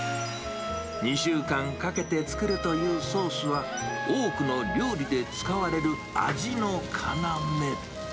２週間かけて作るというソースは、多くの料理で使われる、味のかなめ。